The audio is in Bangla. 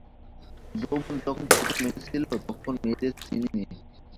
যৌবন যখন প্রথম এসেছিল তখনও মেয়েদের চিনি নি।